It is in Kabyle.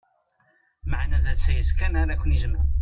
Maɛna d asayes kan ara ken-ijemɛen.